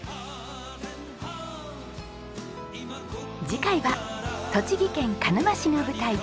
次回は栃木県鹿沼市が舞台。